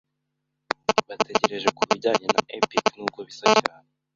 bategereje kubijyanye na epic Nubwo bisa cyane